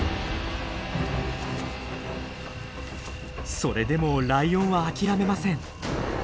それでもライオンは諦めません。